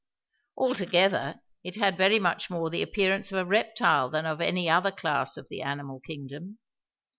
Altogether it had very much more the appearance of a reptile than of any other class of the animal kingdom.